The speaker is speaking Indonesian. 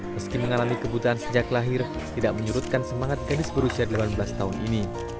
meski mengalami kebutuhan sejak lahir tidak menyurutkan semangat gadis berusia delapan belas tahun ini